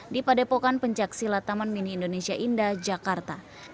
di padepokan pencaksilat taman mini indonesia indah jakarta